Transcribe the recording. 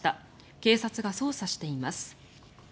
警察が捜査しています。